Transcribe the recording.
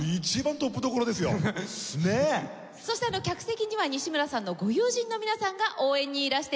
そして客席には西村さんのご友人の皆さんが応援にいらしています。